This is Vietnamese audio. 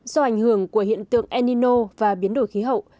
do ảnh hưởng của hiện tượng enino và biến đổi khí hậu